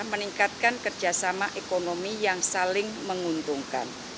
meningkatkan kerjasama ekonomi yang saling menguntungkan